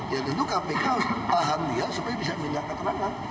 ya tentu kpk paham dia supaya bisa menjaga tenaga